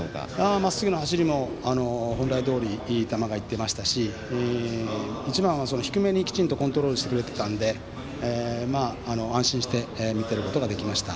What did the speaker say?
まっすぐの走りも本来どおりいい球が行っていましたし一番は低めにきちんとコントロールしてくれていたので安心して見ていることができました。